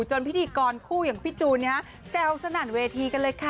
จนพี่ดีกรคู่พี่จูนแซวสนั่นเวทีกันเลยค่ะ